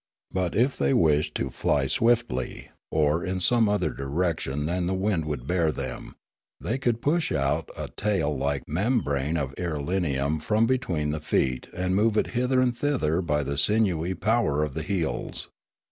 But if they wished to fly swiftly, or in some other direction than the wind would bear them, they could push out a tail like membrane of irelium from between the feet and move it hither and thither by the sinewy power of the heels.